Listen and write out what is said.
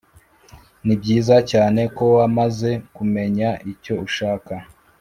ni byiza cyane ko wamaze kumenya icyo ushaka